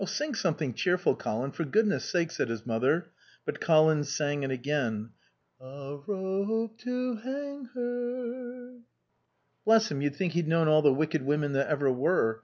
'" "Sing something cheerful, Colin, for Goodness sake," said his mother. But Colin sang it again. "'A rope to hang her'" "Bless him, you'd think he'd known all the wicked women that ever were.